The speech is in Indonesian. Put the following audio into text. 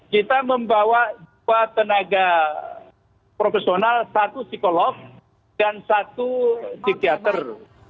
kita membawa dua tenaga profesional satu psikolog dan satu psikiater